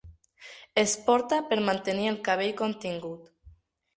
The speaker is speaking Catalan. Es porta per mantenir el cabell contingut.